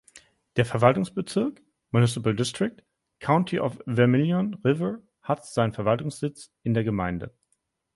Der Verwaltungsbezirk („Municipal District“) County of Vermilion River hat seinen Verwaltungssitz in der Gemeinde.